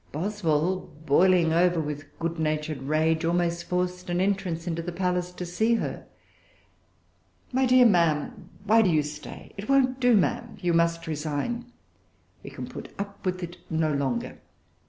Boswell, boiling over with good natured rage, almost forced an entrance into the palace to see her. "My dear ma'am, why do you stay? It won't do, ma'am; you must resign. We can put up with it no longer.